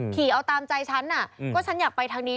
ขี่เอาตามใจฉันน่ะก็ฉันอยากไปทางนี้